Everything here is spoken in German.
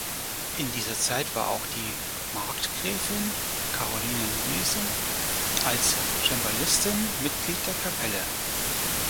In dieser Zeit war auch die Markgräfin Karoline Luise als Cembalistin Mitglied der Kapelle.